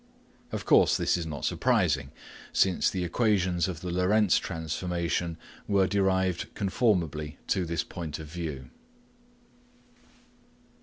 Of cause this is not surprising, since the equations of the Lorentz transformation were derived conformably to this point of view.